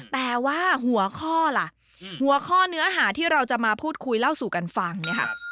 แต่ว่าหัวข้อล่ะหัวข้อเนื้อหาที่เราจะมาพูดคุยเล่าสู่กันฟังเนี่ยค่ะ